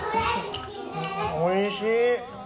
おいしい。